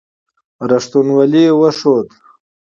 صمیمیت وښود.